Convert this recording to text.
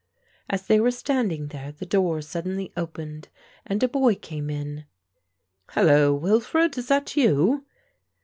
As they were standing there the door suddenly opened and a boy came in. "Hullo, Wilfred! is that you?"